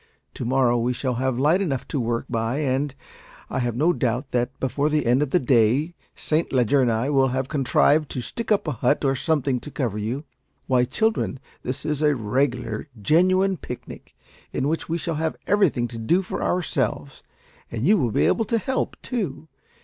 To morrow we shall have light enough to work by, and I have no doubt that before the end of the day Saint Leger and I will have contrived to stick up a hut or something to cover you. Why, children, this is a regular genuine picnic, in which we shall have everything to do for ourselves, and you will be able to help, too.